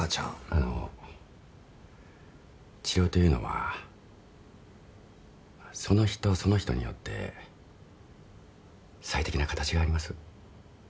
あの治療というのはその人その人によって最適な形があります。